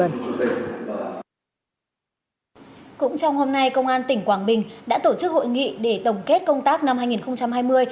cũng trong hôm nay công an tỉnh quảng bình đã tổ chức hội nghị để tổng kết công tác năm hai nghìn hai mươi